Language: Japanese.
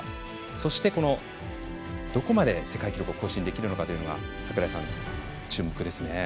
そして、どこまで世界記録を更新できるかというのは注目ですね。